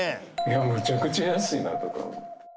むちゃくちゃ安いなとか。